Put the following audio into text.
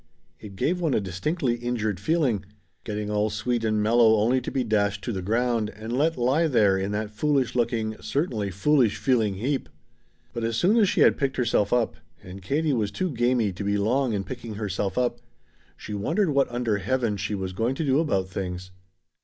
It gave one a distinctly injured feeling getting all sweet and mellow only to be dashed to the ground and let lie there in that foolish looking certainly foolish feeling heap! But as soon as she had picked herself up and Katie was too gamey to be long in picking herself up she wondered what under heaven she was going to do about things!